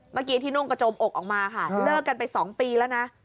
เมื่อกี้ที่นุ่งกระโจมอกออกมาค่ะเลิกกันไป๒ปีแล้วนะ